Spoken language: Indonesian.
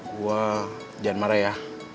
gue jangan marah ya